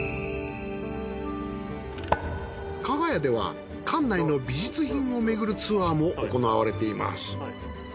加賀屋では館内の美術品をめぐるツアーも行われています。